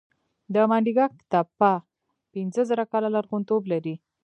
د منډیګک تپه پنځه زره کاله لرغونتوب لري